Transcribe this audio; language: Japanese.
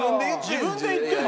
自分で言ってる。